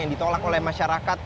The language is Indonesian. yang ditolak oleh masyarakat